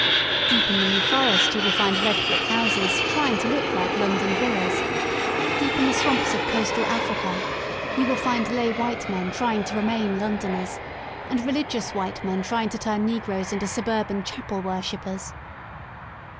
Deep in the New Forest you will find red brick houses trying to look like London villas; deep in the swamps of coastal Africa you will find lay white men trying to remain Londoners, and religious white men trying to turn negroes into suburban chapel worshippers.